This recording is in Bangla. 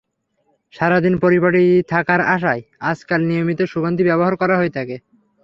সারা দিন পরিপাটি থাকার আশায় আজকাল নিয়মিতই সুগন্ধি ব্যবহার করা হয়ে থাকে।